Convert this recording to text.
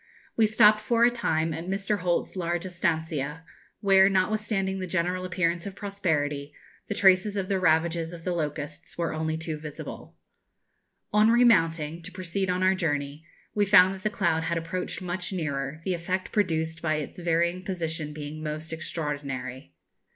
We stopped for a time at Mr. Holt's large estancia, where, notwithstanding the general appearance of prosperity, the traces of the ravages of the locusts were only too visible. On remounting, to proceed on our journey, we found that the cloud had approached much nearer, the effect produced by its varying position being most extraordinary.